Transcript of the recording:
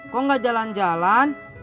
kok gak jalan jalan